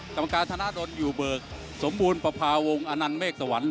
กรรมการธนาดลอยู่เบิกสมบูรณ์ประพาวงศ์อนันต์เมฆสวรรค์